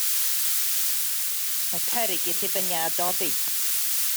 Mae peryg i'r hufen iâ doddi.